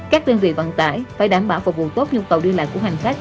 các tiên vị vận tải phải đảm bảo phục vụ tốt nhu cầu điện lạc của hành khách